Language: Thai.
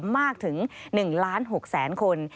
มากถึง๑๖๐๐๐๐๐คน